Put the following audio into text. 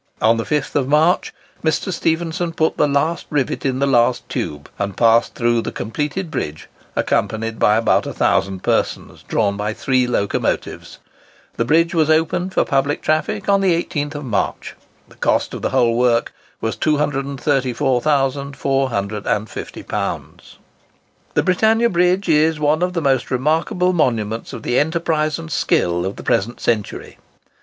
On the 5th March, Mr. Stephenson put the last rivet in the last tube, and passed through the completed bridge, accompanied by about a thousand persons, drawn by three locomotives. The bridge was opened for public traffic on the 18th March. The cost of the whole work was £234,450. [Picture: The Britannia Bridge. (By Percival Skelton)] The Britannia Bridge is one of the most remarkable monuments of the enterprise and skill of the present century.